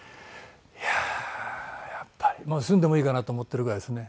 いやあやっぱりもう住んでもいいかなと思ってるぐらいですね。